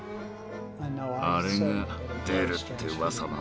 「あれが出る」ってうわさなんだ。